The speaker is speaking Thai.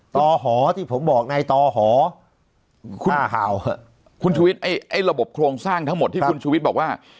ต่อหอที่ผมบอกในต่อหอคุณข่าวคุณชุวิตไอ้ระบบโครงสร้างทั้งหมดที่คุณชุวิตบอกว่า